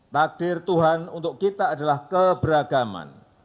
takdir tuhan untuk kita adalah keberagaman